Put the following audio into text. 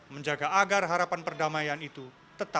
menjaga agar boneknya tidak terlalu keras dan menjaga kemampuan mereka